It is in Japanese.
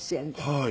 はい。